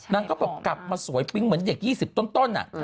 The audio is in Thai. นางก็บอกกลับมาสวยปิ๊งเหมือนเด็ก๒๐ต้น